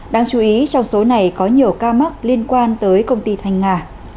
đáng chú ý trong số này có nhiều ca mắc liên quan tới công ty thanh nga